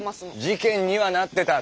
事件にはなってた。